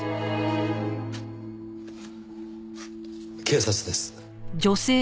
警察です。